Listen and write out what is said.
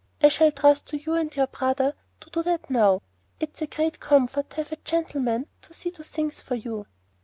I shall trust to you and your brother to do that now. It's a great comfort to have a gentleman to see to things for you."